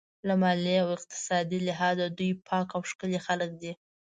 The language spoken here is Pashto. له مالي او اقتصادي لحاظه دوی پاک او ښکلي خلک دي.